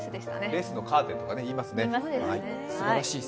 レースのカーテンとか言いますよね。